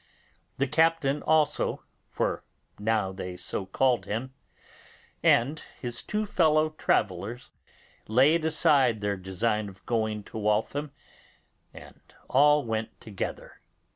The captain also (for so they now called him), and his two fellow travellers, laid aside their design of going to Waltham, and all went together.